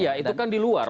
iya itu kan di luar